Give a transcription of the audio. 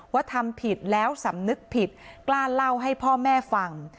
ทำผิดแล้วสำนึกผิดกล้าเล่าให้พ่อแม่ฟัง